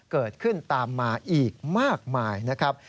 เกิดขึ้นตามมาอีกมากมายนะครับ